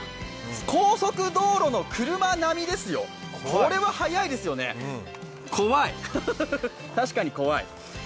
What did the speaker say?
高速道路の車並みですよ、これは速いですよね、怖い、確かに怖い。